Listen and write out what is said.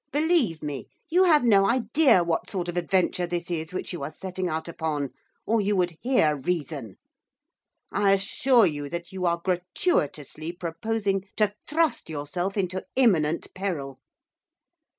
Believe me, you have no idea what sort of adventure this is which you are setting out upon, or you would hear reason. I assure you that you are gratuitously proposing to thrust yourself into imminent peril.